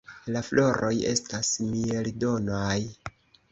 La floroj estas mieldonaj.